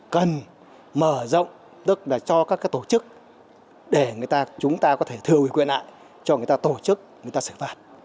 cần mở rộng tức là cho các tổ chức để chúng ta có thể thừa quyền lại cho người ta tổ chức người ta xử phạt